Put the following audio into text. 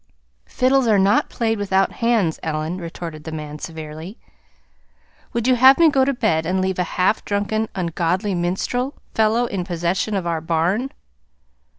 "Fiddles are not played without hands, Ellen," retorted the man severely. "Would you have me go to bed and leave a half drunken, ungodly minstrel fellow in possession of our barn?